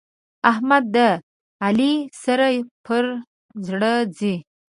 احمد د علي سره پر زړه ځي.